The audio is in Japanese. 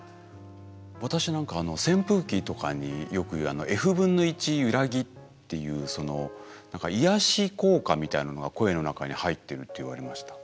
私何か扇風機とかによく言うｆ分の１ゆらぎっていう何か癒やし効果みたいなのが声の中に入ってるって言われました。